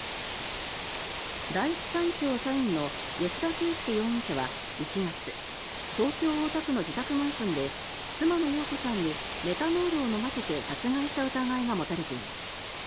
第一三共社員の吉田佳右容疑者は１月東京・大田区の自宅マンションで妻の容子さんにメタノールを飲ませて殺害した疑いが持たれています。